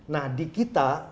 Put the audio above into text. nah di kita